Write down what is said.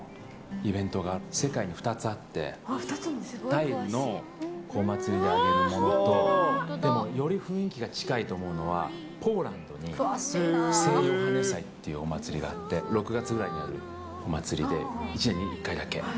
タイのお祭りであげるものと、でもより雰囲気が近いと思うのは、ポーランドに聖ヨハネ祭っていうお祭りがあって、６月ぐらいにあるお祭りで、１年に１回だけ。